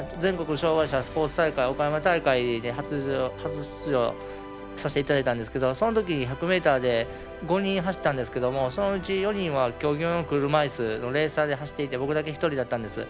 障がい者スポーツ大会で初出場させていただいたんですがそのときに１００ｍで５人走ったんですけどそのうち４人は競技用の車いすのレーサーで走っていて僕だけ１人だったんです。